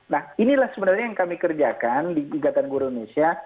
nah inilah sebenarnya yang kami kerjakan di gigatan guru indonesia